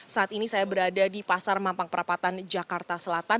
saat ini saya berada di pasar mampang perapatan jakarta selatan